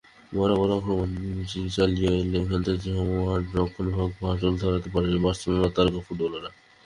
বারবার আক্রমণ চালিয়েও লেভান্তের জমাট রক্ষণভাগে ফাটল ধরাতে পারেননি বার্সেলোনার তারকা ফুটবলাররা।